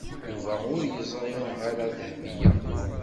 Yuba ur yeẓri ara Dahbiya.